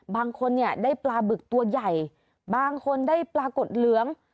บางคนเนี่ยได้ปลาบึกตัวใหญ่บางคนได้ปลากดเหลือง